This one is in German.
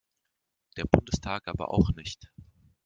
Der Bundestag aber auch nicht.